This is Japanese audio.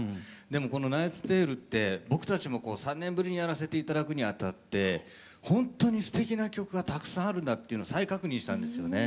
でもこの「ナイツ・テイル」って僕たちも３年ぶりにやらせて頂くにあたってほんとにすてきな曲がたくさんあるんだっていうのを再確認したんですよね。